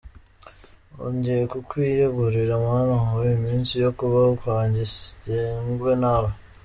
Nongeye kukwiyegurira Mana ngo iminsi yo kubaho kwanjye igengwe nawe.